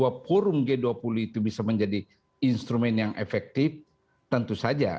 bahwa forum g dua puluh itu bisa menjadi instrumen yang efektif tentu saja